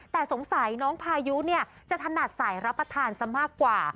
แต่สงสัยน้องพายุเนี่ยจะถนัดสายรับประทานซะมากกว่า